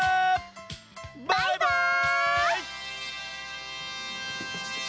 バイバイ！